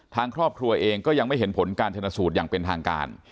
ทางครอบครัวเองก็ยังไม่เห็นผลการชนสูตรอย่างเป็นทางการ